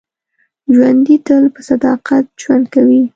ژوندي تل په صداقت ژوند کوي